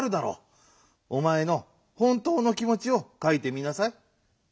おまえのほんとうの気もちをかいてみなさい。